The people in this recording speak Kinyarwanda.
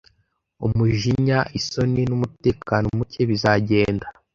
Umujinya, isoni, numutekano muke bizagenda.